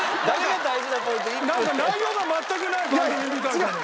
なんか内容が全くない番組みたいじゃない。